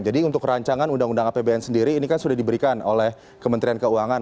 jadi untuk rancangan undang undang apbn sendiri ini kan sudah diberikan oleh kementerian keuangan